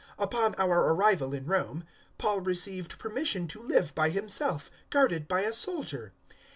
028:016 Upon our arrival in Rome, Paul received permission to live by himself, guarded by a soldier.